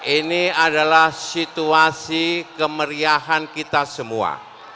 ini adalah situasi kemeriahan kita semua